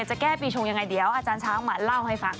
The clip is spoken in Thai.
จะแก้ปีชงยังไงเดี๋ยวอาจารย์ช้างมาเล่าให้ฟัง